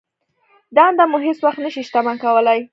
دنده مو هېڅ وخت نه شي شتمن کولای.